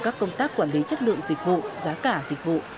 các công tác quản lý chất lượng dịch vụ giá cả dịch vụ